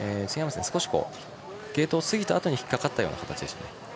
少し、ゲートを過ぎたあとに引っかかったような感じでした。